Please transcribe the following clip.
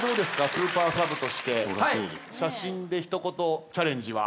スーパーサブとして写真で一言チャレンジは。